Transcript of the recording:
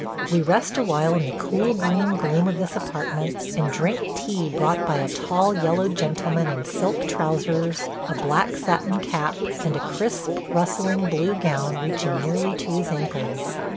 We rest awhile in the cool green gloom of this apartment, and drink tea brought by a tall yellow gentleman in silk trousers, a black satin cap, and a crisp rustling blue gown reaching nearly to his ankles.